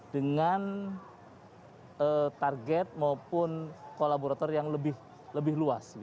dengan target maupun kolaborator yang lebih luas